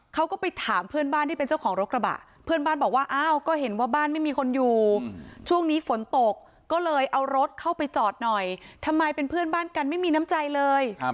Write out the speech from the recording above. เขาก็ไปถามเพื่อนบ้านที่เป็นเจ้าของรถกระบะเพื่อนบ้านบอกว่าอ้าวก็เห็นว่าบ้านไม่มีคนอยู่ช่วงนี้ฝนตกก็เลยเอารถเข้าไปจอดหน่อยทำไมเป็นเพื่อนบ้านกันไม่มีน้ำใจเลย